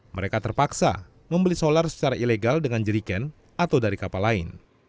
mereka terpaksa membeli solar secara ilegal dengan jeriken atau dari kapal lain